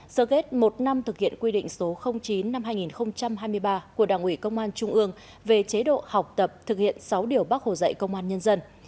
sơ kết một năm thực hiện quy định số chín năm hai nghìn hai mươi ba của đảng ủy công an trung ương về chế độ học tập thực hiện sáu điều bác hồ dạy công an nhân dân